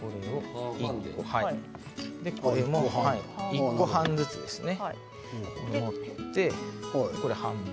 １個半ずつですね。